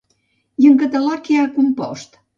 I en català què ha compost?